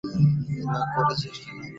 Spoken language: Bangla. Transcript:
রাগ করছিস কেন?